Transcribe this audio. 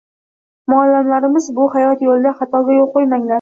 muallimlarimiz bu bilan hayot yo‘lida xatoga yo‘l qo‘ymanglar